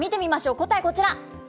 答え、こちら。